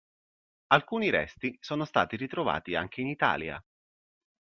Alcuni resti sono stati ritrovati anche in Italia.